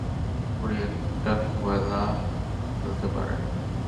উনি একটা খেলা খেলতে পারেন।